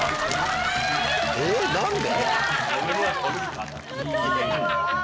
えっ何で？